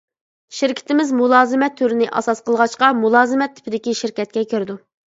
شىركىتىمىز مۇلازىمەت تۈرىنى ئاساس قىلغاچقا، مۇلازىمەت تىپىدىكى شىركەتكە كىرىدۇ.